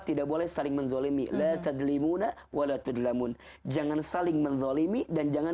tidak boleh saling menzalimi la tadlimuna walatudlamun jangan saling menzalimi dan jangan